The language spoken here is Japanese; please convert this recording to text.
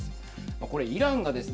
これイランがですね